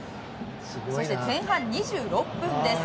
そして前半２６分です。